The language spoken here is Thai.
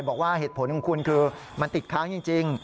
บอกว่าเหตุผลของคุณคือมันติดค้างจริง